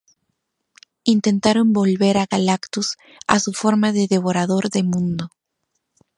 Intentaron volver a Galactus a su forma de devorador de mundo.